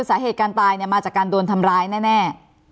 สาเหตุการตายมาจากการดูลทำร้ายแน่แน่